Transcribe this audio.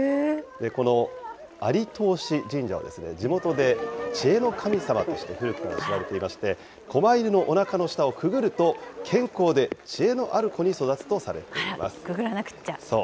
この蟻通神社は、地元で知恵の神様として古くから知られていまして、こま犬のおなかの下をくぐると、健康で知恵のある子に育つとあら、そう。